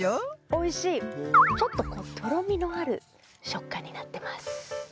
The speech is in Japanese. おいしいちょっとこうとろみのある食感になってます